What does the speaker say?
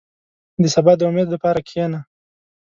• د سبا د امید لپاره کښېنه.